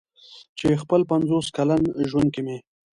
چې په خپل پنځوس کلن ژوند کې مې.